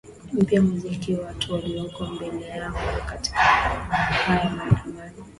mpya muziki watu walioko mbele yangu katika haya maandamano